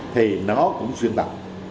thì nó cũng xuyên tạo